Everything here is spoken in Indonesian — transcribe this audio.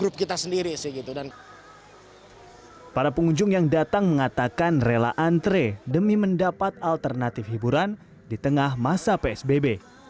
para pengunjung yang datang mengatakan rela antre demi mendapat alternatif hiburan di tengah masa psbb